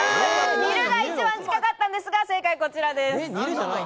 煮るが一番近かったんですが、正解はこちらです。